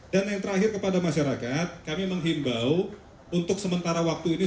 dan yang terakhir kepada masyarakat kami menghimbau untuk sementara waktu ini